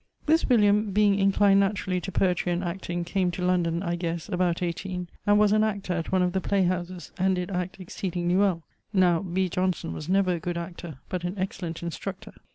This William being inclined naturally to poetry and acting, came to London, I guesse, about 18; and was an actor at one of the play houses, and did act exceedingly well (now B. Johnson was never a good actor, but an excellent instructor).